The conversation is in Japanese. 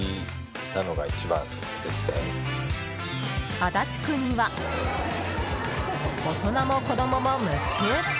足立区には大人も子供も夢中！